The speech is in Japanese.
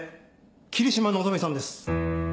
桐島希美さんです。